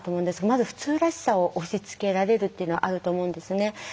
まず普通らしさを押しつけられるっていうのがあると思うんですね。